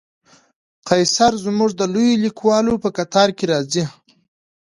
قیصر زموږ د لویو لیکوالو په قطار کې راځي.